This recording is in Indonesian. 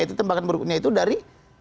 itu tembakan berikutnya itu dari